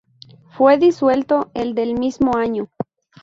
Fue disuelto el del mismo año.